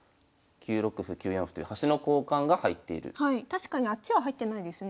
確かにあっちは入ってないですね。